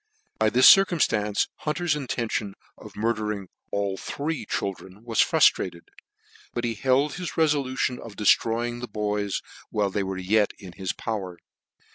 By this circumftance Hunter's intention of mur dering all the three children was fruftrated ; but he held his relblution of deftroying the boys while they were yet in his power.